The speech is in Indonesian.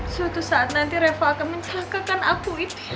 suatu saat nanti reva akan mencelakakan aku itu